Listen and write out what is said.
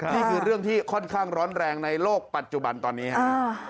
นี่คือเรื่องที่ค่อนข้างร้อนแรงในโลกปัจจุบันตอนนี้ครับ